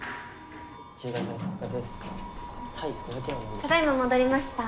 ただいま戻りました。